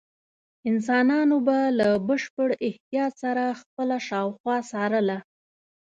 انسانانو به له بشپړ احتیاط سره خپله شاوخوا څارله.